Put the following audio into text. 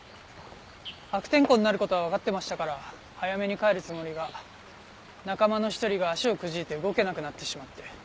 悪天候になる事はわかってましたから早めに帰るつもりが仲間の一人が足をくじいて動けなくなってしまって。